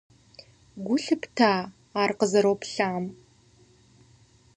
Гу лъыпта ар къызэроплъам?